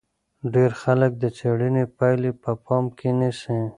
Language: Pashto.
ډېر خلک د څېړنې پایلې په پام کې نیسي.